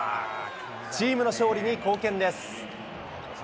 チームの勝利に貢献です。